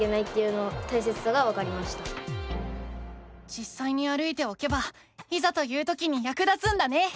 じっさいに歩いておけばいざという時にやく立つんだね。